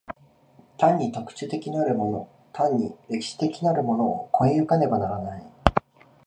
単に特殊的なるもの単に歴史的なるものを越え行かねばならない。